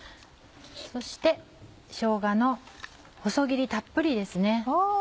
そしてしょうがの細切りたっぷりですね。